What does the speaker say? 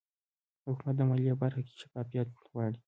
حکومت د مالیې په برخه کې شفافیت غواړي